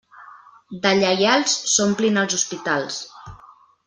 De lleials s'omplin els hospitals.